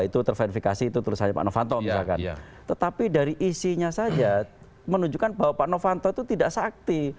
tetapi dari isinya saja menunjukkan bahwa pak novanto itu tidak sakti